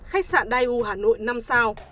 khách sạn dai u hà nội năm sao